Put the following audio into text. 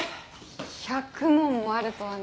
１００問もあるとはね。